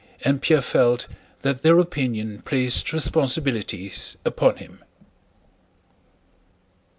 And Pierre felt that their opinion placed responsibilities upon him.